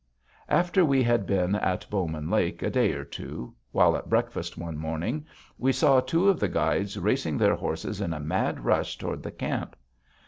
After we had been at Bowman Lake a day or two, while at breakfast one morning, we saw two of the guides racing their horses in a mad rush toward the camp.